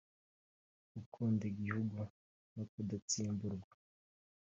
gukunda igihugu no kudatsimburwa